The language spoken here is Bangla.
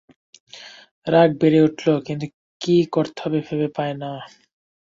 রাগ বেড়ে উঠল, কিন্তু কী করতে হবে ভেবে পায় না।